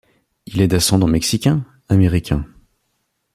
Il est d'ascendance Mexicains-Américains.